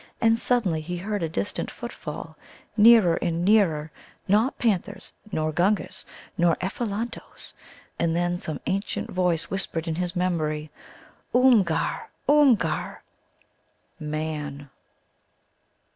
And suddenly he heard a distant footfall. Nearer and nearer not panther's, nor Gunga's, nor Ephelanto's. And then some ancient voice whispered in his memory: "Oomgar, Oomgar!" Man!